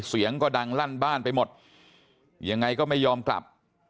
เสียงก็ดังลั่นบ้านไปหมดยังไงก็ไม่ยอมกลับ